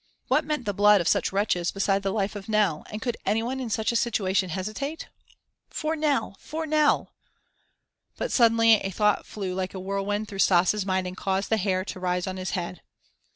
What meant the blood of such wretches beside the life of Nell, and could any one in such a situation hesitate? "For Nell! For Nell!" But suddenly a thought flew like a whirlwind through Stas' mind and caused the hair to rise on his head.